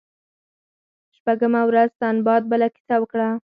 شپږمه ورځ سنباد بله کیسه وکړه.